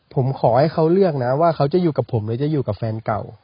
ผมขอให้เขาเลือกนะว่าเขาจะอยู่กับผมหรือจะอยู่กับแฟนเก่า